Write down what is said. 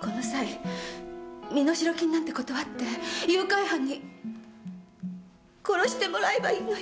この際身代金なんて断って誘拐犯に殺してもらえばいいのよ。